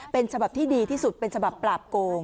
เป็นฉบับที่ดีที่สุดเป็นฉบับปราบโกง